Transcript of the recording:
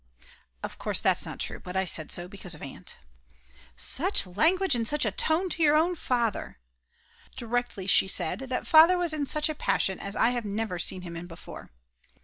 (Of course that's not true, but I said it was because of Aunt.) "Such language and such a tone to your own Father!" Directly she said that Father was in such a passion as I have never seen him in before.